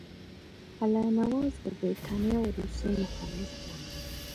الله نواز د برټانیې او روسیې مخالف وو.